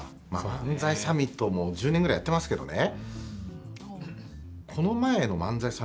漫才サミットも１０年ぐらいやってますけどね。